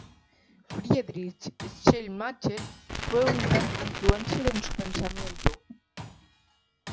Friedrich Schleiermacher fue una gran influencia en su pensamiento.